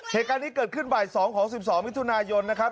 เหตุการณ์นี้เกิดขึ้นบ่าย๒ของ๑๒มิถุนายนนะครับ